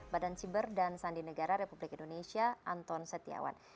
badan siber dan sandi negara republik indonesia anton setiawan